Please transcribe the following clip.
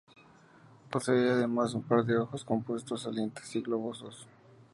Posee además un par de ojos compuestos salientes y globosos.